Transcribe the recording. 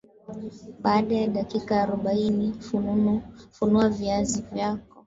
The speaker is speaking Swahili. Baada ya dakika arobaini funua viazi vyako